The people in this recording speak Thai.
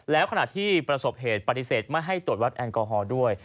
แล้วขณะที่ประสบเหตุปฏิเสธไม่ให้ตรวจวัดแอลกอฮอล์ด้วย